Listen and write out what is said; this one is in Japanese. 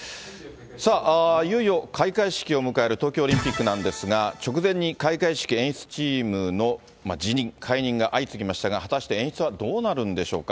さあ、いよいよ開会式を迎える東京オリンピックなんですが、直前に開会式演出チームの辞任、解任が相次ぎましたが、果たして演出はどうなるんでしょうか。